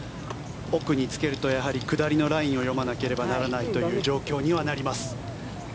奥につけるとやはり下りのラインを読まなければならないという状況にはなります。